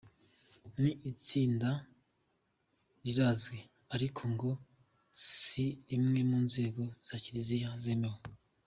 Iri tsinda rirazwi ariko ngo si rimwe mu nzego za Kiliziya zemewe.